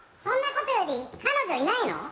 そんなことより彼女いないの？